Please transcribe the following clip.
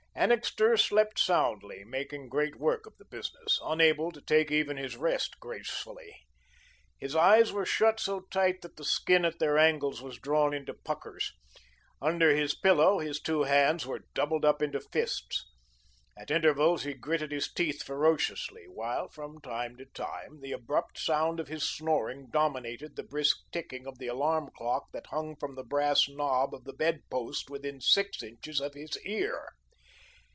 Annixter slept soundly, making great work of the business, unable to take even his rest gracefully. His eyes were shut so tight that the skin at their angles was drawn into puckers. Under his pillow, his two hands were doubled up into fists. At intervals, he gritted his teeth ferociously, while, from time to time, the abrupt sound of his snoring dominated the brisk ticking of the alarm clock that hung from the brass knob of the bed post, within six inches of his ear.